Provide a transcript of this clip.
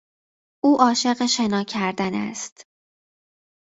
او عاشق شنا کردن است.